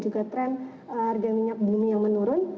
ada trend harga minyak dunia yang menurun